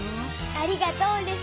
ありがとうレス。